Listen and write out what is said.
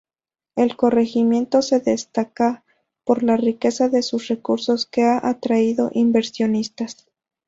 El corregimiento se destaca por la riqueza de sus recursos que ha atraído inversionistas.